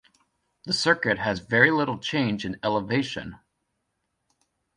The circuit has very little change in elevation.